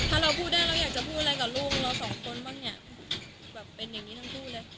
ถ้าเราพูดได้แล้วอยากจะพูดอะไรกับลูกเรา๒คนบ้างเนี่ย